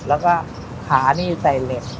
แล้วก็ขานี่ใส่เหล็ก